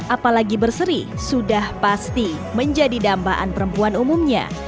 apalagi berseri sudah pasti menjadi dambaan perempuan umumnya